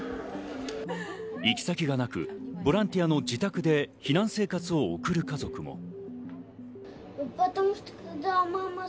行き先がなく、ボランティアの自宅で避難生活を送る家族も。